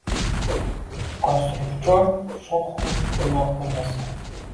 Oysuluvjon sho’xu quvnoq bo’lmasa!